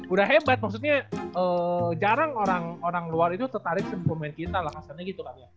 udah hebat maksudnya jarang orang luar itu tertarik sama pemain kita lah hasilnya gitu kan ya